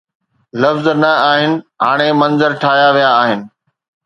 لفظ نه آهن، هاڻي منظر ٺاهيا ويا آهن.